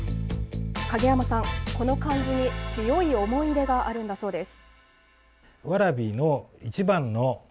影山さん、この漢字に強い思い入れがあるんだそうです。